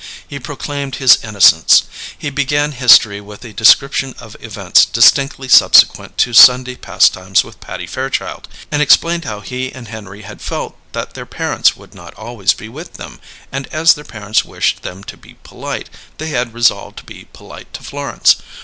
He proclaimed his innocence. He began history with a description of events distinctly subsequent to Sunday pastimes with Patty Fairchild, and explained how he and Henry had felt that their parents would not always be with them, and as their parents wished them to be polite, they had resolved to be polite to Florence.